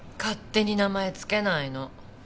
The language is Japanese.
勝手に名前付けないの。